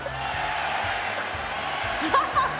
ハハハ！